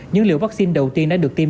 những liệu vaccine đầu tiên đã được tiêm